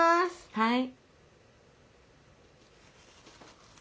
はい。